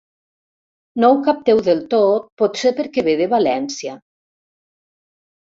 No ho capteu del tot, potser perquè ve de València.